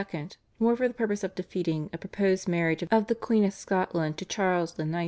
more for the purpose of defeating a proposed marriage of the Queen of Scotland to Charles IX.